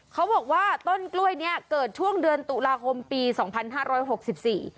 เขาบอกว่าต้นกล้วยเนี้ยเกิดช่วงเดือนตุลาคมปีสองพันห้าร้อยหกสิบสี่